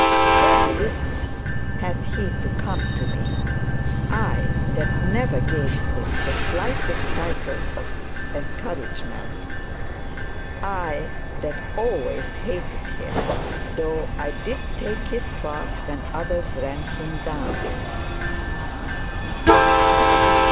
What business had he to come to me? I that never gave him the slightest tittle of encouragement I that always hated him, though I did take his part when others ran him down.'